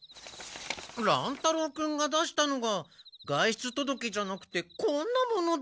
乱太郎君が出したのが外出届じゃなくてこんなもので。